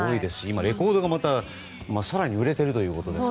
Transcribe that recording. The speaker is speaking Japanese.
今、レコードがまた更に売れているということで。